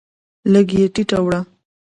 لږ یې ټیټه وړه